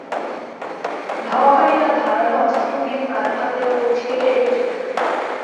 ধাওয়াকারীরা ধারালো অস্ত্র দিয়ে তাঁর হাতের কবজি কেটে রেখে চলে যান।